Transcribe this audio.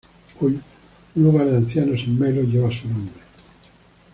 Hoy, un hogar de ancianos en Melo lleva su nombre.